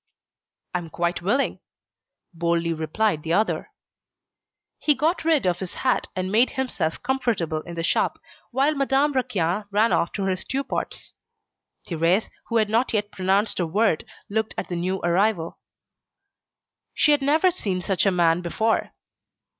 "I am quite willing," boldly replied the other. He got rid of his hat and made himself comfortable in the shop, while Madame Raquin ran off to her stewpots. Thérèse, who had not yet pronounced a word, looked at the new arrival. She had never seen such a man before.